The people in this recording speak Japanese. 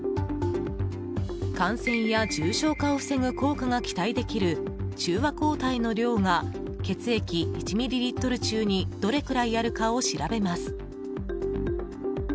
感染や重症化を防ぐ効果が期待できる中和抗体の量が血液１ミリリットル中にどれくらいあるかを調べます。